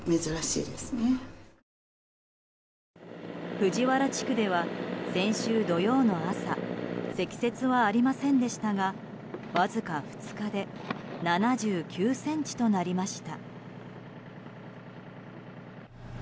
藤原地区では、先週土曜の朝積雪はありませんでしたがわずか２日で７９ｃｍとなりました。